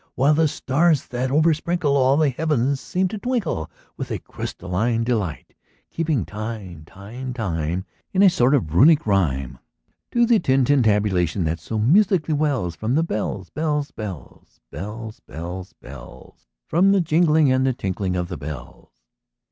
While the stars that oversprinkle All the heavens, seem to twinkle With a crystalline delight Keeping time, time, time, In a sort of Runic rhyme, To the tintinnabulation that so musically wells From the bells, bells, bells, bells, Bells, bells, bells From the jingling and the tinkling of the bells.